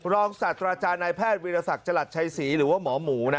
ศาสตราจารย์นายแพทย์วิทยาศักดิ์จรัสชัยศรีหรือว่าหมอหมูนะ